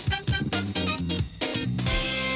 สวัสดีครับ